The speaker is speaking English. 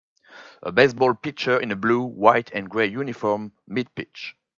A baseball pitcher in a blue, white and gray uniform midpitch.